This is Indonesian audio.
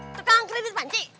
tukang kredit panci